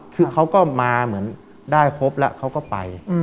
คือเขาก็มาเหมือนได้ครบแล้วเขาก็ไป